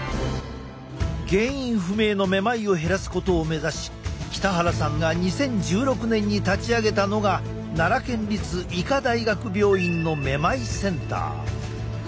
原因不明のめまいを減らすことを目指し北原さんが２０１６年に立ち上げたのが奈良県立医科大学病院のめまいセンター。